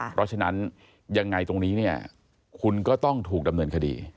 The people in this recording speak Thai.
เพราะฉะนั้นยังไงตรงนี้เนี่ยคุณก็ต้องถูกดำเนินคดี